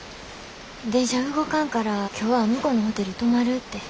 電車動かんから今日は向こうのホテル泊まるって。